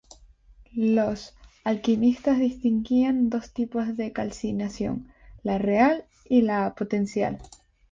Los alquimistas distinguían dos tipos de calcinación: la "real" y la "potencial".